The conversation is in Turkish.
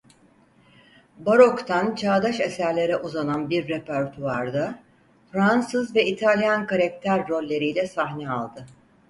Barok'tan çağdaş eserlere uzanan bir repertuvarda Fransız ve İtalyan karakter rolleriyle sahne aldı.